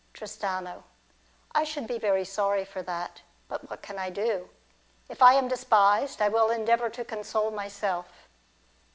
Tristano. I should be very sorry for that; but what can I do ? If I am despised, I will endeavour to console myself.